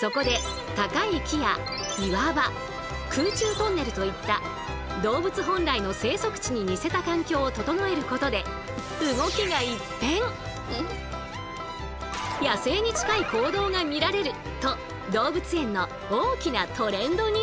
そこで高い木や岩場空中トンネルといった動物本来の生息地に似せた環境を整えることで野生に近い行動が見られると動物園の大きなトレンドに。